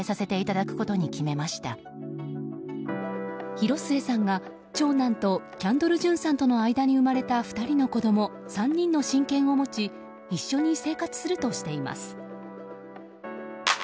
広末さんが、長男とキャンドル・ジュンさんとの間に生まれた２人の子供３人の親権を持ち一緒に生活するとしています。